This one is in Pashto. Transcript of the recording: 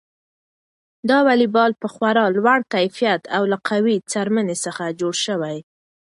دا واليبال په خورا لوړ کیفیت او له قوي څرمنې څخه جوړ شوی.